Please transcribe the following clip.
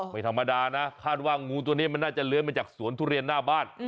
ไม่ธรรมดานะคาดว่างูตัวนี้มันน่าจะเลื้อยมาจากสวนทุเรียนหน้าบ้าน